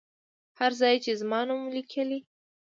هر ځای چې زما نوم لیکلی.